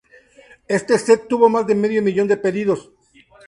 Este set tuvo más de medio millón de pedidos.